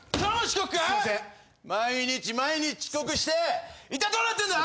毎日毎日遅刻していったいどうなってんだ！？